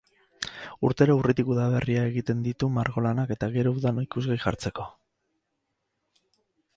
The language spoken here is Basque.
Urtero urritik udaberria egiten ditu margo lanak eta gero udan ikusgai jartzen ditu.